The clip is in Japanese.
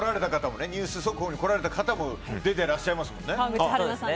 ニュース速報に来られた方も出てらっしゃいますよね。